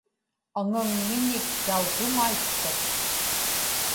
aŋaŋmiñik tautuŋaitchuq